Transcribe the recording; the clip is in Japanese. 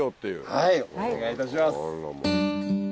はいお願いいたします。